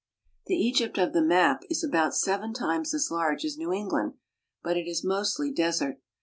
The Egypt of the map is about seven times as large as New England, but it is mostly desert.